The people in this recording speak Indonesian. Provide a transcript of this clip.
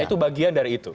itu bagian dari itu